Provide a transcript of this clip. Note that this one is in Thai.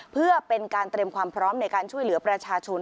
เพื่อเป็นการเตรียมความพร้อมในการช่วยเหลือประชาชน